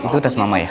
itu tas mama ya